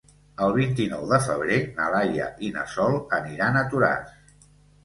El vint-i-nou de febrer na Laia i na Sol aniran a Toràs.